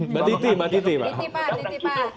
mbak diti mbak diti pak